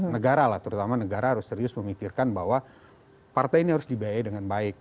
negara lah terutama negara harus serius memikirkan bahwa partai ini harus dibiayai dengan baik